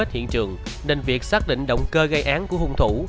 hiện trường nên việc xác định động cơ gây án của hung thủ